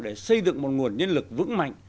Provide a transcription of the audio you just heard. để xây dựng một nguồn nhân lực vững mạnh